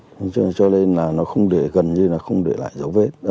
thế cho nên là nó không để gần như là không để lại dấu vết